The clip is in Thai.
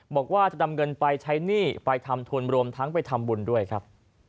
บอกว่าจะนำเงินไปใช้หนี้ไปทำทุนรวมทั้งไปทำบุญด้วยครับ